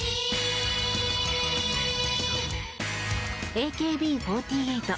ＡＫＢ４８。